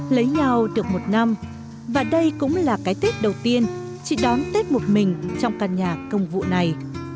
lấy nhau được một năm và đây cũng là cái tết đầu tiên chị đón tết một mình trong căn nhà công vụ này